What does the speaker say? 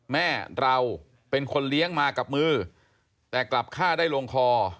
แม่เราเป็นคนเลี้ยงมากับมือแต่กลับฆ่าได้ลงคอ